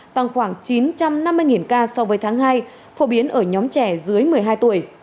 tăng khoảng chín trăm năm mươi ca so với tháng hai phổ biến ở nhóm trẻ dưới một mươi hai tuổi